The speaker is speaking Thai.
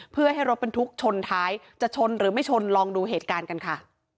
เพื่อให้รถบรรทุกชนท้ายจะชนหรือไม่ชนลองดูเหตุการณ์กันค่ะ